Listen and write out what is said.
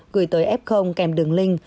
gửi tới f kèm đường link